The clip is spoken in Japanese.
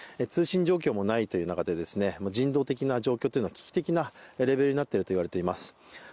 通信状況もないという中で人道的な状況というのは危機的なレベルになっていると言われています